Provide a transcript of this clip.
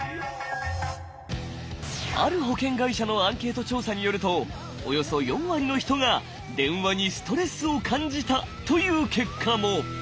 ある保険会社のアンケート調査によるとおよそ４割の人が「電話にストレスを感じた」という結果も。